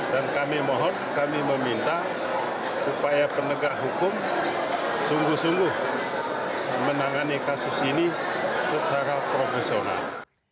dan kami mohon kami meminta supaya penegak hukum sungguh sungguh menangani kasus ini secara profesional